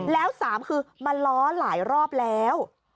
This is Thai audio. แล้ว๓คือมาล้อหลายรอบแล้ว